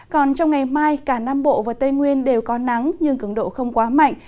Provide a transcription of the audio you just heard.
còn trong ngày mai cả nam bộ và tây nguyên đều có nắng nhưng cường độ không quá mạnh